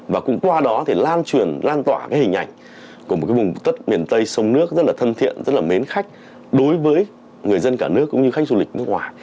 và cũng qua đó thì lan truyền lan tỏa cái hình ảnh của một cái vùng đất miền tây sông nước rất là thân thiện rất là mến khách đối với người dân cả nước cũng như khách du lịch nước ngoài